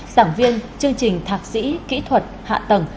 giảng viên chương trình thạc sĩ kỹ thuật hạ tầng